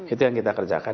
itu yang kita kerjakan